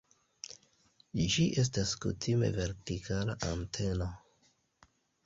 Ĝi estas kutime vertikala anteno.